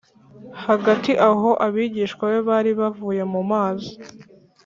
hagati aho, abigishwa be bari bavuye mu mazi